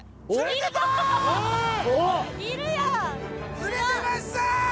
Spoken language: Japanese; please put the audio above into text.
釣れてました！